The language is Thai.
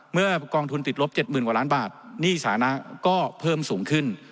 เมื่อกองทุนติดลบ๗๐๐กว่าล้านบาทหนี้สานะก็เพิ่มสูงขึ้น